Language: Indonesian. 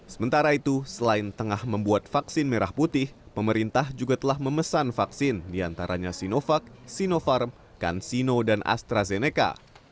sementara itu selain tengah membuat vaksin merah putih pemerintah juga telah memesan vaksin diantaranya sinovac sinopharm kansino dan astrazeneca